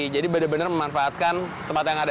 jadi benar benar memanfaatkan tempat yang ada